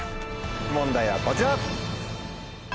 問題はこちら。